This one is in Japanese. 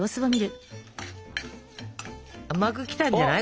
膜きたんじゃない？